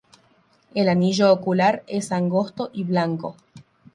El anillo ocular es angosto y blanco.